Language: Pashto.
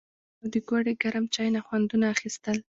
او د ګوړې ګرم چای نه خوندونه اخيستل